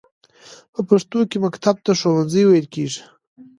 په پښتو کې مکتب ته ښوونځی ویل کیږی.